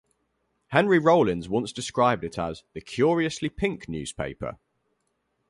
Henry Rollins once described it as "the curiously pink newspaper".